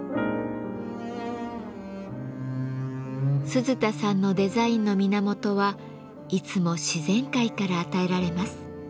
鈴田さんのデザインの源はいつも自然界から与えられます。